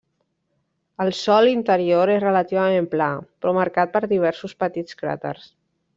El sòl interior és relativament pla, però marcat per diversos petits cràters.